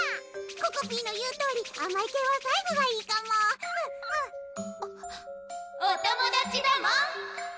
ここぴーの言うとおりあまい系は最後がいいかもうんうん「お友達だもん」